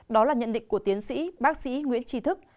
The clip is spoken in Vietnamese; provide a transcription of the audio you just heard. đó là nhận định của tiến sĩ bác sĩ nguyễn tri thức